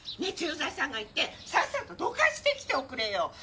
駐在さんが行ってさっさとどかしてきておくれよ！